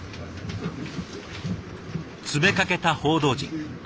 詰めかけた報道陣。